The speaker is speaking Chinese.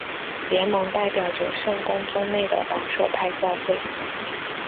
联盟代表着圣公宗内的保守派教会。